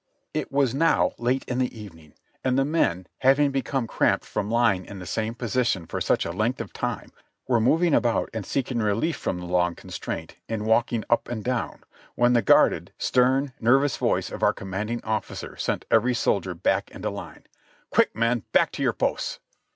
It was now late in the evening, and the men, having become cramped from lying in the same position for such a length of time, were moving about and seeking relief from the long con straint in walking up and down, when the guarded, stern, nervous voice of our commanding officer sent every soldier back into line : "Quick, men, back to your posts